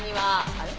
あれ？